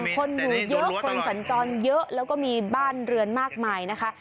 คนอยู่เยอะคนสัญจรเยอะแล้วก็มีบ้านเรือนมากมายนะคะ